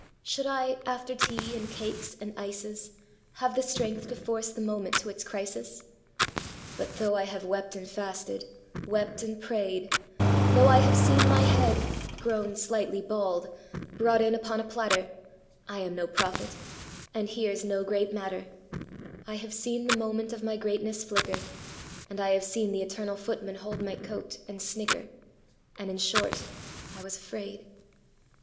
Should I, after tea and cakes and ices, Have the strength to force the moment to its crisis? But though I have wept and fasted, wept and prayed, Though I have seen my head (grown slightly bald) brought in upon a platter,I am no prophet—and here's no great matter;I have seen the moment of my greatness flicker, And I have seen the eternal Footman hold my coat, and snicker, And in short, I was afraid.